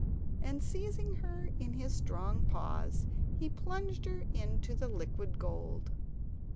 And seizing her in his strong paws he plunged her into the liquid gold.